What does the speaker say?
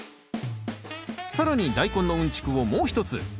更にダイコンのうんちくをもう一つ。